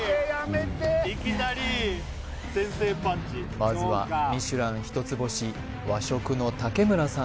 まずはミシュラン一つ星和食の竹村さん